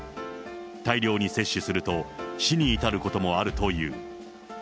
大量に摂取すると、死に至ることもあるという。